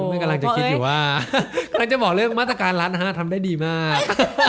มันกำลังจะคิดอยู่ว่ากำลังจะบอกเรื่องมาตรการรัฐนะฮะทำได้ดีมาก